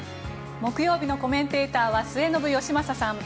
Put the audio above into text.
木曜日のコメンテーターは末延吉正さん。